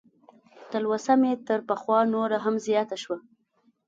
تلوسه مې تر پخوا نوره هم زیاته شوه.